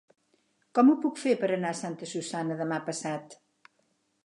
Com ho puc fer per anar a Santa Susanna demà passat?